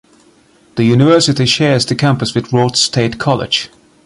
The University shares the campus with Rhodes State College.